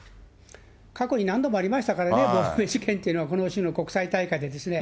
過去に何度もありましたからね、亡命事件っていうのは、この種の国際大会でですね。